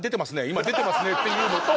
今出てますね」っていうのと。